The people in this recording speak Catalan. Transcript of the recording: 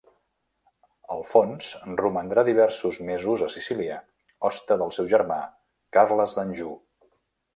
Alfons romandrà diversos mesos a Sicília, hoste del seu germà Carles d'Anjou.